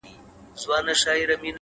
گـــډ وډ يـهـــوديـــان،